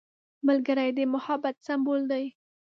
ملګری د محبت سمبول دی